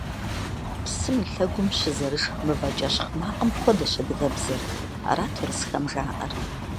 Псым и лъэгум щызэрышх мывэ кӏэщхъ макъым хуэдэщ адыгэбзэр – арат урысхэм жаӏэр.